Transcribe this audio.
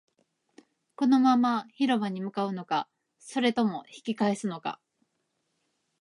このまま広場に向かうのか、それとも引き返すのか